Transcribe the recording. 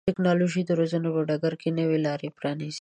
ټکنالوژي د روزنې په ډګر کې نوې لارې پرانیزي.